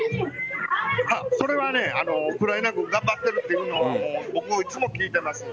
それはウクライナ軍頑張っているというのはいつも聞いています。